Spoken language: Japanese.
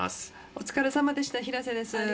お疲れさまでした、平瀬です。